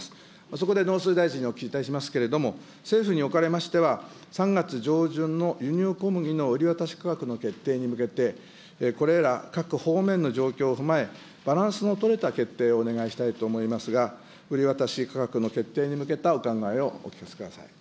そこで農水大臣にお聞きいたしますけれども、政府におかれましては、３月上旬の輸入小麦の売り渡し価格の決定に向けて、これら各方面の状況を踏まえ、バランスの取れた決定をお願いしたいと思いますが、売り渡し価格の決定に向けたお考えをお聞かせください。